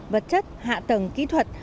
vật chất hạ tầng kỹ thuật